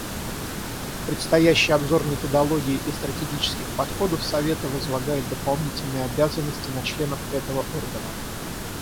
Предстоящий обзор методологии и стратегических подходов Совета возлагает дополнительные обязанности на членов этого органа.